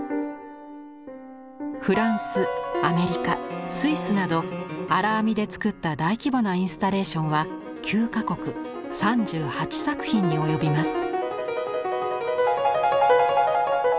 フランスアメリカスイスなど荒編みで作った大規模なインスタレーションは９か国３８作品に及びます。